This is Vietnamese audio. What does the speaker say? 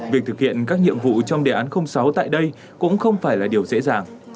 việc thực hiện các nhiệm vụ trong đề án sáu tại đây cũng không phải là điều dễ dàng